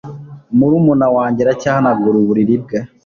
Murumuna wanjye wana aracyahanagura uburiri bwe